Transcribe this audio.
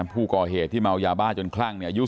ผู้ก่อเหตุที่เมายาบ้าจนคลั่งอายุ